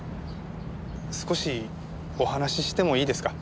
少しお話ししてもいいですか？